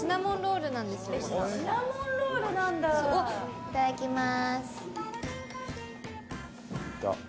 いただきます。